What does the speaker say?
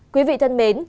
quý vị thân mến